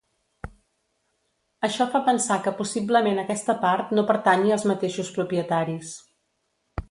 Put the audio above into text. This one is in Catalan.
Això fa pensar que possiblement aquesta part no pertanyi als mateixos propietaris.